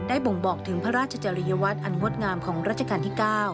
บ่งบอกถึงพระราชจริยวัตรอันงดงามของราชการที่๙